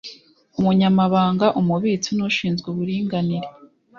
umunyamabanga umubitsi nushinzwe uburinganire